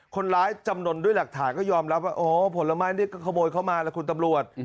คนร้ายจำนวนด้วยหลักฐานก็ยอมรับว่าอ๋อผลไม้นี่ก็ขโมยเข้ามาแล้วคุณตำรวจ